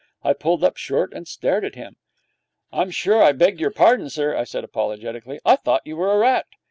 I pulled up short and stared at him. 'I'm sure I beg your pardon, sir,' I said apologetically. 'I thought you were a rat.'